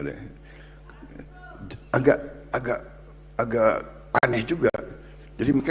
jadi mungkin sampai sekarang saya masih belajar politik di indonesia